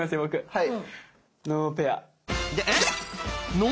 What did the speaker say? はい。